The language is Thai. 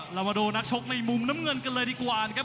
เรามาดูนักชกในมุมน้ำเงินกันเลยดีกว่านะครับ